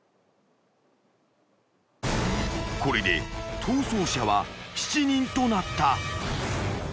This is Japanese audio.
［これで逃走者は７人となった］